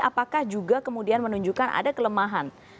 apakah juga kemudian menunjukkan ada kelemahan